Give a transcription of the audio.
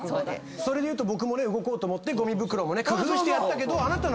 それで言うと僕もね動こうと思ってごみ袋もね工夫してやったけど。